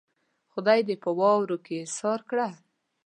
خدای دې په واورو کې ايسار کړه.